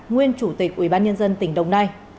nguyên chủ tịch ủy ban nhân dân tỉnh đồng nai